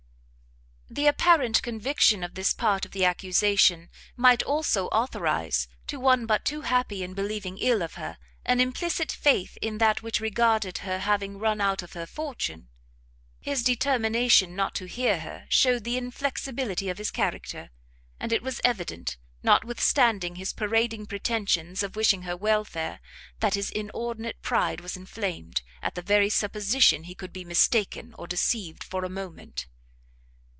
The apparent conviction of this part of the accusation, might also authorise, to one but too happy in believing ill of her, an implicit faith in that which regarded her having run out her fortune. His determination not to hear her shewed the inflexibility of his character; and it was evident, notwithstanding his parading pretensions of wishing her welfare, that his inordinate pride was inflamed, at the very supposition he could be mistaken or deceived for a moment.